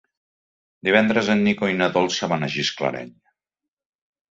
Divendres en Nico i na Dolça van a Gisclareny.